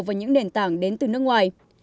với những nền tảng đến từ nước ngoài